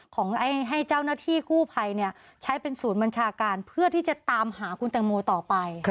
ของให้เจ้าหน้าที่กู้ภัยใช้เป็นศูนย์บัญชาการเพื่อที่จะตามหาคุณตังโมต่อไป